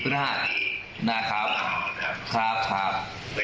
ห้านะครับครับครับ